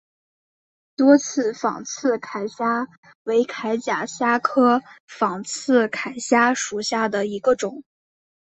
多刺仿刺铠虾为铠甲虾科仿刺铠虾属下的一个种。